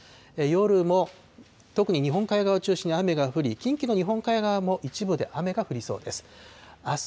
夜も特に日本海側中心に雨が降り、近畿の日本海側も一部で雨が降りそうです。